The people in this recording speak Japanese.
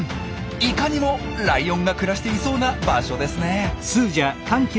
いかにもライオンが暮らしていそうな場所ですね！